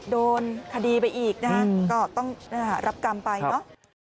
โดนคดีไปอีกนะฮะก็ต้องรับกรรมไปเนอะ